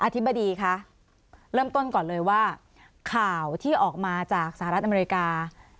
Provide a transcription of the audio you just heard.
ธิบดีคะเริ่มต้นก่อนเลยว่าข่าวที่ออกมาจากสหรัฐอเมริกา